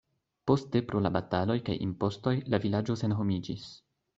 Poste pro la bataloj kaj impostoj la vilaĝo senhomiĝis.